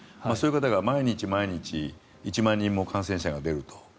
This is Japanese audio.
そういう方が毎日１万人の感染者がいると。